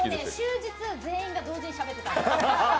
終日、全員が同時にしゃべってたんです。